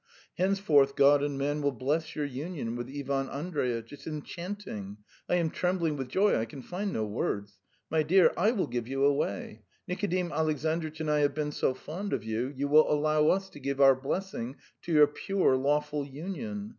Henceforth God and man will bless your union with Ivan Andreitch. It's enchanting. I am trembling with joy, I can find no words. My dear, I will give you away. ... Nikodim Alexandritch and I have been so fond of you, you will allow us to give our blessing to your pure, lawful union.